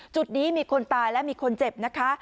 จุดนี้มีคนตายและมีคนเจ็บนะคะ